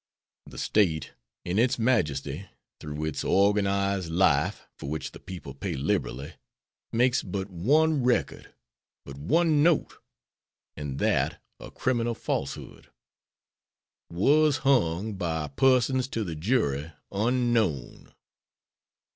The State, in its majesty, through its organized life, for which the people pay liberally, makes but one record, but one note, and that a criminal falsehood, "was hung by persons to the jury unknown."